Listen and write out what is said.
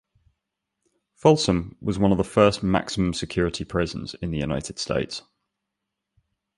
Folsom was one of the first maximum-security prisons in the United States.